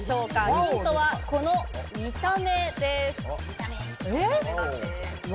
ヒントはこの見た目です。